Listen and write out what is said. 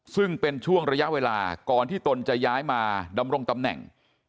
ซึ่งเป็นช่วงระยะเวลาก่อนที่ตนจะย้ายมาดำรงตำแหน่ง